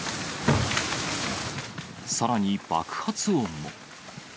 さらに爆発音も。